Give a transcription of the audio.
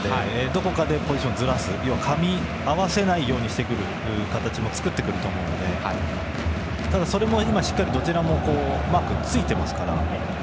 どこかでポジションをずらすかみ合わせないようにしてくる形も作ってくると思うのでただ、それもどちらもしっかりとマークについていますから。